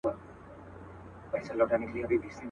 له مرګي یې وو اوزګړی وېرولی !.